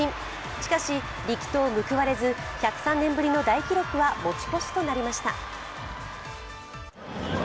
しかし力投報われず、１０３年ぶり大記録は持ち越しとなりました。